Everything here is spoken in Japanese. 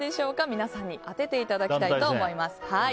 皆さんに当てていただきたいと思います。